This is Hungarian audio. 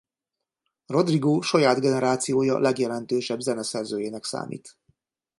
Rodrigo saját generációja legjelentősebb zeneszerzőjének számít.